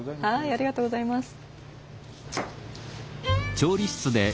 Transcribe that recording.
ありがとうございます。